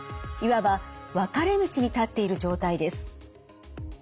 いわば分かれ道に立っている状態です。